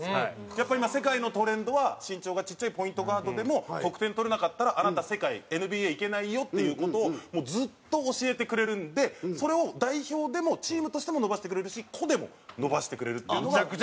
やっぱ今世界のトレンドは身長がちっちゃいポイントガードでも得点取れなかったらあなた世界ＮＢＡ行けないよっていう事をもうずっと教えてくれるんでそれを代表でもチームとしても伸ばしてくれるし個でも伸ばしてくれるっていうのが。